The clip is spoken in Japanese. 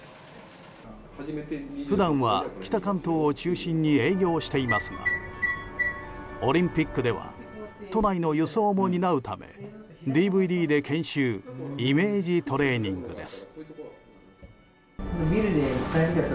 普段は、北関東を中心に営業していますがオリンピックでは都内の輸送も担うためＤＶＤで研修イメージトレーニングです。